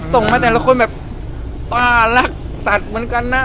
ส่งมาแต่ละคนแบบป้ารักสัตว์เหมือนกันนะ